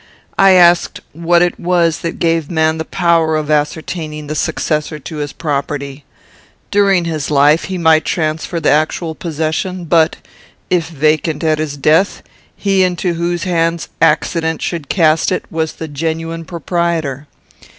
I asked what it was that gave man the power of ascertaining the successor to his property. During his life, he might transfer the actual possession; but, if vacant at his death, he into whose hands accident should cast it was the genuine proprietor.